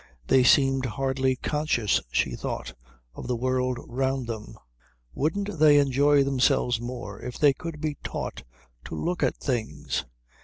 They seemed hardly conscious, she thought, of the world round them. Wouldn't they enjoy themselves more if they could be taught to look at things?